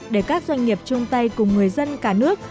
để các doanh nghiệp chung tay cùng người dân cả nước